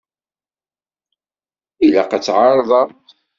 Ilaq ad t-tɛerḍeḍ.